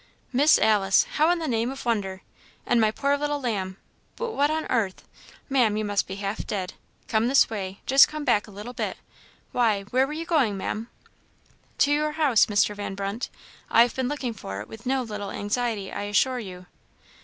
"Miss Alice! how in the name of wonder! and my poor little lamb! but what on 'arth, Maam you must be half dead. Come this way just come back a little bit why, where were you going, Maam?" "To your house, Mr. Van Brunt; I have been looking for it with no little anxiety, I assure you."